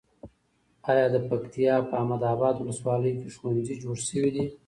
ایا د پکتیا په احمد اباد ولسوالۍ کې ښوونځي جوړ شوي دي؟